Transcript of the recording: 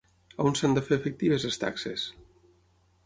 On s'han de fer efectives les taxes?